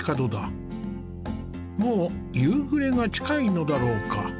もう夕暮れが近いのだろうか。